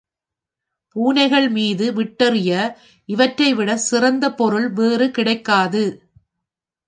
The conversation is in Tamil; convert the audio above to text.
பூனைகள் மீது விட்டெறிய இவற்றை விடச் சிறந்த பொருள் வேறு கிடைக்காது.